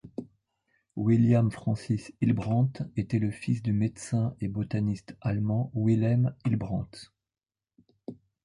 William Francis Hillebrand était le fils du médecin et botaniste allemand Wilhelm Hillebrand.